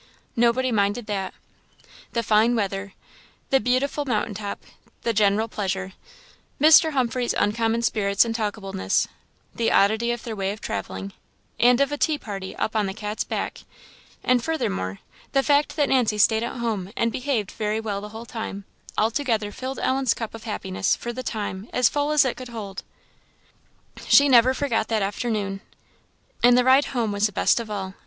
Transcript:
Nobody minded that. The fine weather, the beautiful mountain top, the general pleasure, Mr. Humphreys' uncommon spirits and talkableness, the oddity of their way of travelling, and of a tea party up on the "Cat's Back," and, furthermore, the fact that Nancy stayed at home and behaved very well the whole time, all together filled Ellen's cup of happiness, for the time, as full as it could hold. She never forgot that afternoon. And the ride home was the best of all.